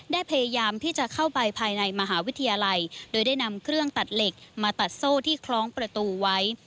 พยายามที่จะเข้าไปภายในมหาวิทยาลัยโดยได้นำเครื่องตัดเหล็กมาตัดโซ่ที่คล้องประตูไว้